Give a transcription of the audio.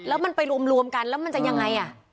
แล้วมันไปรวมกันแล้วมันจะยังไง